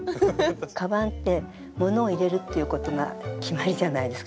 カバンってものを入れるっていうことが決まりじゃないですか。